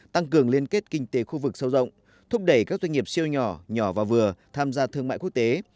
tăng cường liên kết kinh tế khu vực sâu rộng thúc đẩy các doanh nghiệp siêu nhỏ nhỏ và vừa tham gia thương mại quốc tế